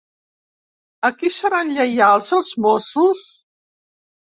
A qui seran lleials els mossos?